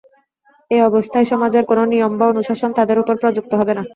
এই অবস্থায় সমাজের কোন নিয়ম বা অনুশাসন তাঁদের উপর প্রযুক্ত হবে না।